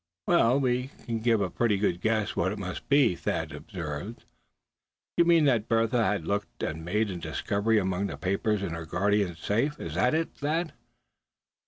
"Well, we can give a pretty good guess what it must be," Thad observed. "You mean that Bertha has looked, and made a discovery among the papers in her guardian's safe; is that it, Thad?"